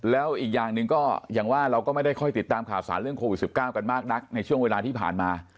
แล้วอีกอย่างหนึ่งก็อย่างว่าเราก็ไม่ได้ค่อยติดตามข่าวสารเรื่องโควิด๑๙กันมากนักในช่วงเวลาที่ผ่านมา